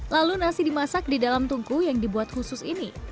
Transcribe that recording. lalu nasi dimasak di dalam tungku yang dibuat khusus ini